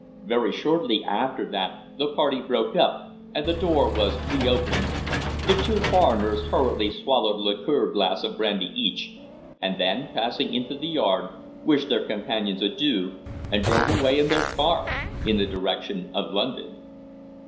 Very shortly after that the party broke up, and the door was re opened. The two foreigners hurriedly swallowed a liqueur glass of brandy each, and then, passing into the yard, wished their companions adieu and drove away in their car in the direction of London."